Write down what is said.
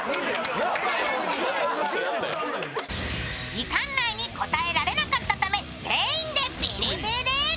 時間内に答えられなかったため全員でビリビリ。